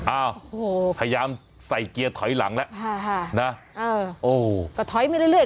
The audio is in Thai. อ้าวโอ้โหพยายามใส่เกียร์ถอยหลังแล้วเออโอ้ก็ถอยมาเรื่อย